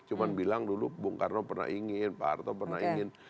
cuma bilang dulu bung karno pernah ingin pak harto pernah ingin